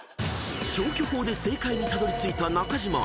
［消去法で正解にたどりついた中島］